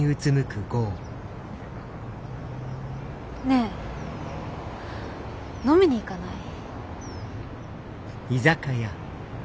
ねえ飲みに行かない？